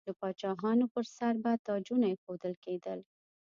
د پاچاهانو پر سر به تاجونه ایښودل کیدل.